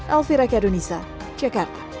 elvira kedunisa cekarta